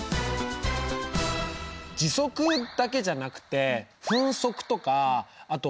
時速だけじゃなくて分速とかあと秒速もあるよね。